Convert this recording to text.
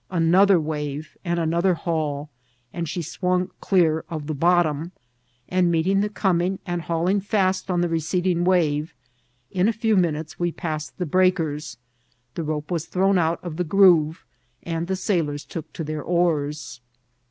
Another wave and another haul, and she swung clear of the bottom ; and meeting the comingt ▲ miNCH MERCHAKT SHIP. 817 and hauling fast on the receding wave, in a few min utes we passed the breakers, the rope was thrown out of the groove, and the sailors took to their oars.